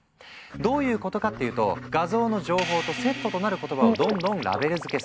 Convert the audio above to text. どういうことかっていうと画像の情報とセットとなる言葉をどんどんラベル付けする。